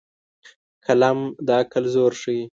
قلم د عقل زور ښيي